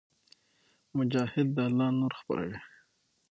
مجاهد د الله نور خپروي.